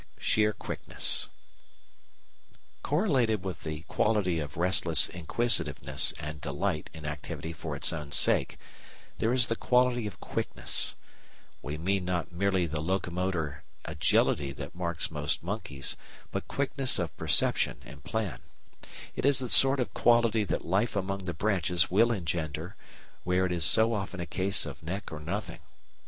Sheer Quickness Correlated with the quality of restless inquisitiveness and delight in activity for its own sake there is the quality of quickness. We mean not merely the locomotor agility that marks most monkeys, but quickness of perception and plan. It is the sort of quality that life among the branches will engender, where it is so often a case of neck or nothing.